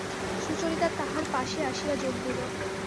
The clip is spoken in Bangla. সুচরিতা তাঁহার পাশে আসিয়া যোগ দিল!